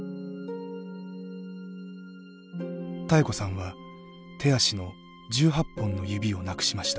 妙子さんは手足の１８本の指を無くしました。